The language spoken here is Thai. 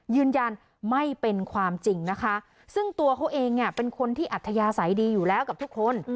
ยืนยันไม่เป็นความจริงนะคะซึ่งตัวเขาเองเนี่ยเป็นคนที่อัธยาศัยดีอยู่แล้วกับทุกคน